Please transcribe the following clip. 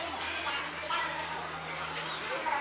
น้องน้องได้อยู่ทั้งส่วน